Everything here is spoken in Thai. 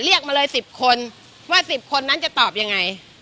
เรียกมาเลย๑๐คนว่า๑๐คนนั้นจะตอบยังไง